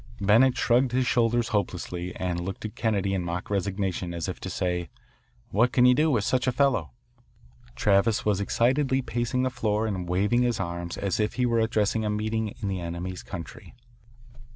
Bennett shrugged his shoulders hopelessly and looked at Kennedy in mock resignation as if to say, "What can you do with such a fellow?" Travis was excitedly pacing the floor and waving his arms as if he were addressing a meeting in the enemy's country.